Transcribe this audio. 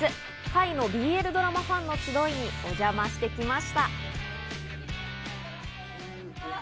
タイのＢＬドラマファンの集いにお邪魔してきました。